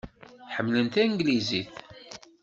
Ḥemmlen tanglizit.